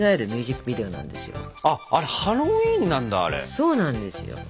そうなんですよ。